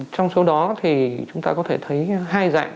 trong số đó thì chúng ta có thể thấy hai dạng